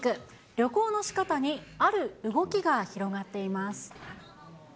旅行のしかたに、ある動きが広がっています。